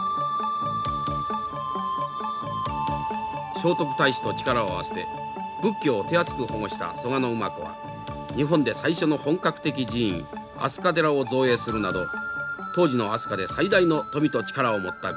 聖徳太子と力を合わせて仏教を手厚く保護した蘇我馬子は日本で最初の本格的寺院飛鳥寺を造営するなど当時の飛鳥で最大の富と力を持った豪族でした。